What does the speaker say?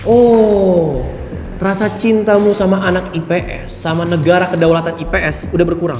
oh rasa cintamu sama anak ips sama negara kedaulatan ips udah berkurang